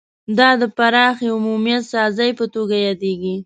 دا د پراخې عمومیت سازۍ په توګه یادیږي